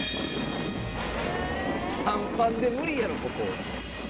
「短パンで無理やろここ」